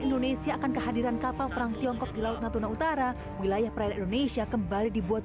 indonesia akan kehadiran kapal perang tiongkok di laut natuna utara wilayah perairan indonesia kembali dibuat